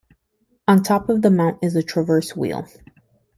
On top of the mount is a traverse wheel.